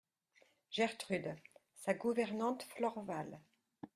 Gertrude, sa gouvernante Florval.